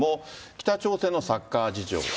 北朝鮮のサッカー事情。